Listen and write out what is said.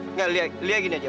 enggak lia gini aja